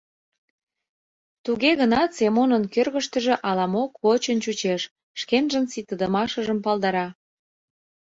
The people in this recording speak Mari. Туге гынат Семонын кӧргыштыжӧ ала-мо кочын чучеш, шкенжын ситыдымыжым палдара.